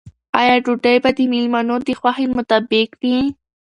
آیا ډوډۍ به د مېلمنو د خوښې مطابق وي؟